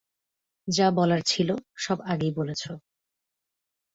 যা বলার ছিল, সব আগেই বলেছ।